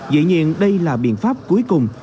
dĩ nhiên đây là biện pháp cuối cùng